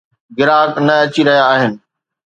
گراهڪ نه اچي رهيا آهن.